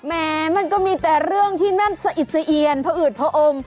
แหมมันก็มีแต่เรื่องที่นั่นเศียรพออืดพออม